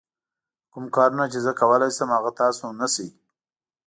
کوم کارونه چې زه کولای شم هغه تاسو نه شئ.